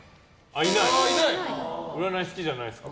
占い好きじゃないですか？